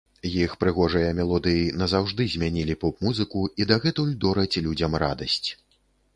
Іх прыгожыя мелодыі назаўжды змянілі поп-музыку, і дагэтуль дораць людзям радасць.